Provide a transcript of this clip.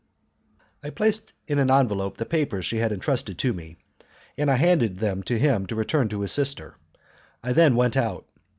I placed in an envelope the papers she had entrusted to me, and I handed them to him to return to his sister. I then went out.